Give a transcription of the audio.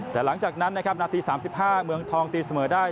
แต่หลังจากนั้นนะครับนาที๓๕เมืองทองตีเสมอได้